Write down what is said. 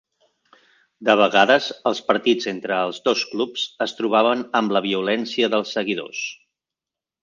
De vegades, els partits entre els dos clubs es trobaven amb la violència dels seguidors.